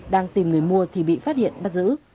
đang tìm người mua thì bị phát hiện bắt giữ